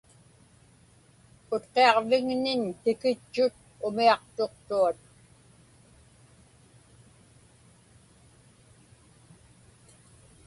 Utqiaġvigñiñ tikitchut umiaqtuqtuat.